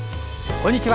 こんにちは。